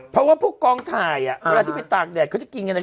เพราะว่าพวกกองถ่ายอ่ะอ่าเวลาที่ไปตากแดดเขาจะกินอย่างนั้น